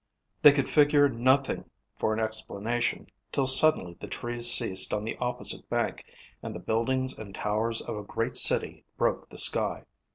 They could figure nothing for an explanation, till suddenly the trees ceased on the opposite bank and the buildings and towers of a great city broke the sky.